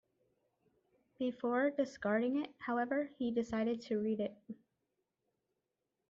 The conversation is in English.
Before discarding it, however, he decided to read it.